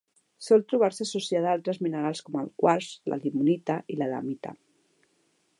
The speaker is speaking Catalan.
Sol trobar-se associada a altres minerals com el quars, la limonita i l'adamita.